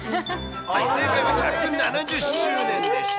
正解は１７０周年でした。